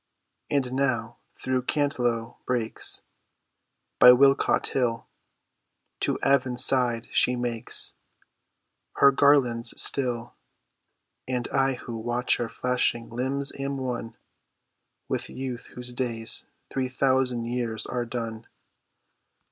And now through Cantlow brakes, By Wilmcote hill, To Avon side, she makes Her garlands still, And I who watch her flashing limbs am one With youth whose days three thousand years are done.